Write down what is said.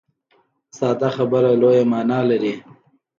ساده خبره لویه معنا لري.